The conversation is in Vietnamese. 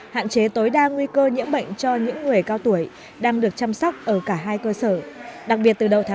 hạn chế tối đa nguy cơ nhiễm bệnh cho những người cao tuổi